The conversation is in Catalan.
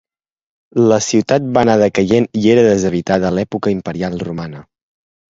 La ciutat va anar decaient i era deshabitada a l'època imperial romana.